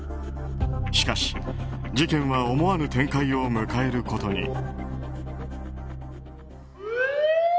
しかし事件は思わぬ展開を向けることに。